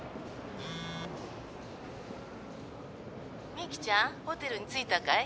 ミキちゃんホテルに着いたかい？